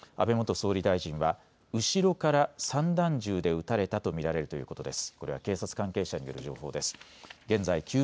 安倍元総理大臣は後ろから散弾銃で撃たれたと見られるということです。